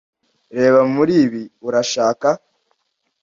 Reba muri ibi, urashaka?